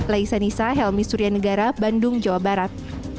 laisa nisa helmi suryanegara bandung jawa barat